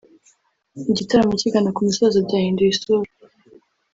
Igitaramo kigana ku musozo byahinduye isura